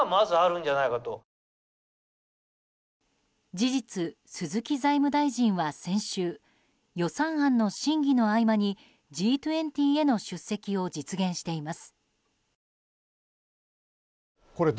事実、鈴木財務大臣は先週予算案の審議の合間にＧ２０への出席を実現しています。